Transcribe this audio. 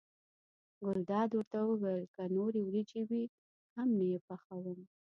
ګلداد ورته وویل که نورې وریجې وي هم نه یې پخوم.